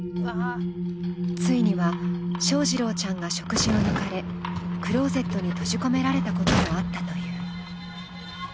ついには翔士郎ちゃんが食事を抜かれ、クローゼットに閉じ込められたこともあったという。